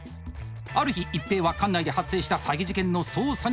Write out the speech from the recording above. ある日一平は管内で発生した詐欺事件の捜査に向かいます。